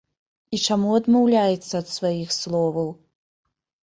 І чаму адмаўляецца ад сваіх словаў?